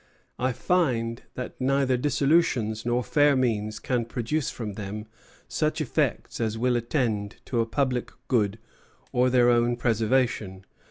I find that neither dissolutions nor fair means can produce from them such Effects as will tend to a publick good or their own preservation.